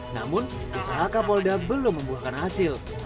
namun usaha kapolda belum membuahkan hasil